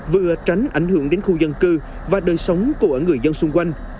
vừa tránh ảnh hưởng đến khu dân cư và đời sống của người dân xung quanh